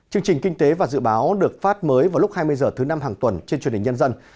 chương trình kinh tế và dự báo được phát mới vào lúc hai mươi h thứ năm hàng tuần trên truyền hình nhân dân